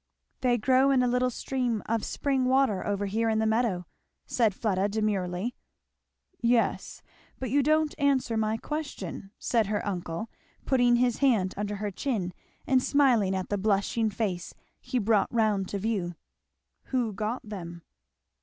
"They grow in a little stream of spring water over here in the meadow," said Fleda demurely. "Yes, but you don't answer my question," said her uncle, putting his hand under her chin and smiling at the blushing face he brought round to view; "Who got them?"